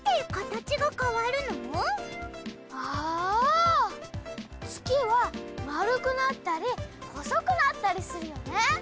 あぁ月は丸くなったり細くなったりするよね。